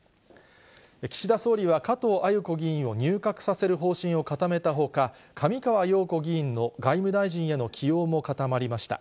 岸田総理は加藤鮎子議員を入閣させる方針を固めたほか、上川陽子議員の外務大臣への起用も固まりました。